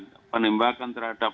dan penembakan terhadap